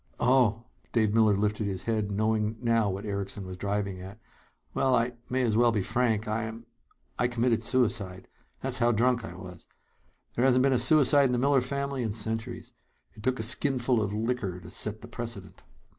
"Oh!" Dave Miller lifted his head, knowing now what Erickson was driving at. "Well, I may as well be frank. I'm I committed suicide. That's how drunk I was. There hasn't been a suicide in the Miller family in centuries. It took a skinful of liquor to set the precedent."